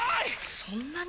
そんなに！？